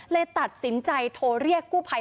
เลยตัดสินใจโทรเรียกกู้ภัย